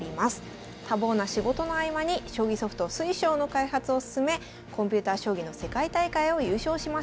多忙な仕事の合間に将棋ソフト水匠の開発を進めコンピュータ将棋の世界大会を優勝しました。